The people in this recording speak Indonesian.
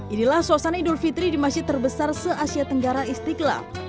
inilah suasana idul fitri di masjid terbesar se asia tenggara istiqlal